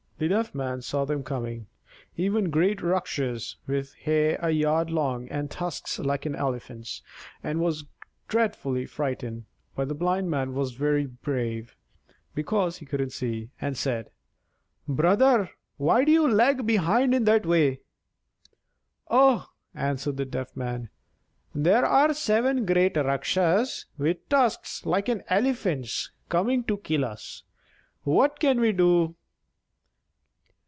The Deaf Man saw them coming (seven great Rakshas, with hair a yard long and tusks like an elephant's), and was dreadfully frightened; but the Blind Man was very brave (because he couldn't see), and said: "Brother, why do you lag behind in that way?" "Oh!" answered the Deaf Man, "there are seven great Rakshas with tusks like an elephant's coming to kill us! What can we do?"